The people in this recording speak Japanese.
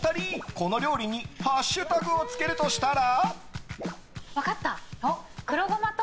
この料理にハッシュタグをつけるとしたら。